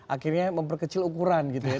akhirnya memperkecil ukuran gitu ya